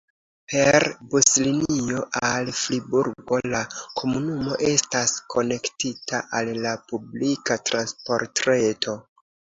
Per buslinio al Friburgo la komunumo estas konektita al la publika transportreto.